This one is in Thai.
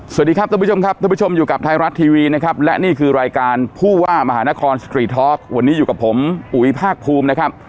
สวัสดีครับท่านผู้ชมครับท่านผู้ชมอยู่กับไทยรัฐทีวีนะครับและนี่คือรายการผู้ว่ามหานครสตรีทอล์กวันนี้อยู่กับผมอุ๋ยภาคภูมินะครับ